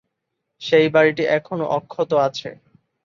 সেই বাড়িটি এখনো অক্ষত আছে।